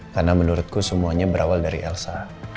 karena menurutku semuanya berawal dari elsa